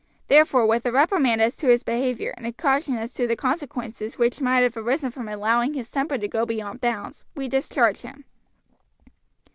Therefore, with a reprimand as to his behavior, and a caution as to the consequences which might have arisen from his allowing his temper to go beyond bounds, we discharge him.